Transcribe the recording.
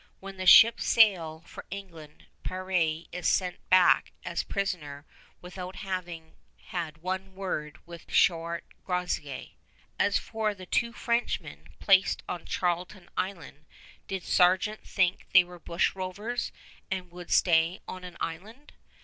When the ships sail for England, Peré is sent back as prisoner without having had one word with Chouart Groseillers. As for the two Frenchmen placed on Charlton Island, did Sargeant think they were bush rovers and would stay on an island?